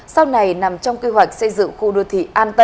sau này nằm trong kế hoạch xây dựng khu đô thị